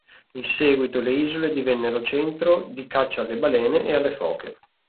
In seguito le isole divennero centro di caccia alle balene e alle foche.